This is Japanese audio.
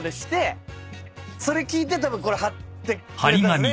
それ聞いてたぶんこれ貼ってくれたんすね。